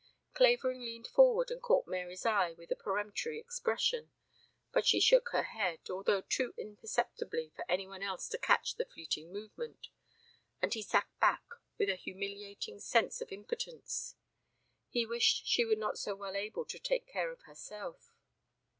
Clavering leaned forward and caught Mary's eye with a peremptory expression, but she shook her head, although too imperceptibly for any one else to catch the fleeting movement, and he sank back with a humiliating sense of impotence. He wished she were not so well able to take care of herself.